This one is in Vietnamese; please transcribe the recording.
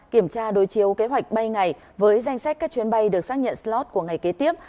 kiểm tra đối chiếu kế hoạch bay ngày với danh sách các chuyến bay được xác nhận slot của ngày kế tiếp